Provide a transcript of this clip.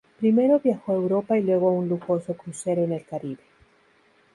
Primero viajó a Europa y luego a un lujoso crucero en el Caribe.